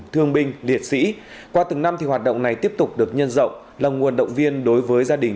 thương binh liệt sĩ qua từng năm hoạt động này tiếp tục được nhân rộng là nguồn động viên đối với gia đình